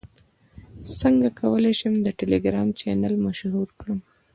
څنګه کولی شم د ټیلیګرام چینل مشهور کړم